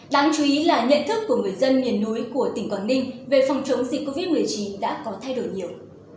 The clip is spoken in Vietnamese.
đáng chú ý là nhận thức của người dân miền núi của tỉnh quảng ninh về phòng chống dịch covid một mươi chín đã có thay đổi nhiều